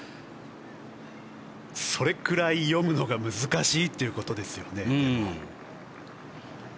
それくらい読むのが難しいということですよね。